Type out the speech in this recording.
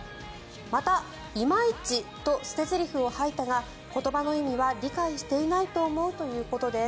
また、いまいちと捨てゼリフを吐いたが言葉の意味は理解していないと思うということです。